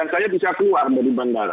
dan saya bisa keluar dari bandara